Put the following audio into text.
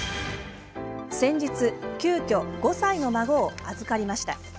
先日、急きょ５歳の孫を預かりました。